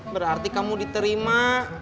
berarti kamu diterima